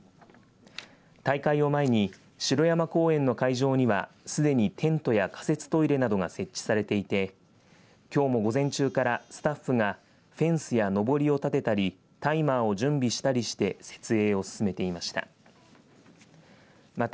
大会を前に城山公園の会場にはすでにテントや仮設トイレなどが設置されていてきょうも午前中からスタッフがフェンスやのぼりを立てたりタイマーを準備したりして設営を進めていました。